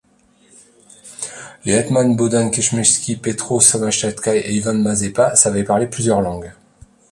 Les hetmans Bohdan Khmelnytskyï, Petro Sahaïdatchnyï et Ivan Mazeppa savaient parler plusieurs langues.